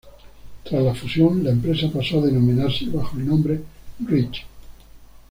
Tras la fusión, la empresa pasó a denominarse bajo el nombre Reach.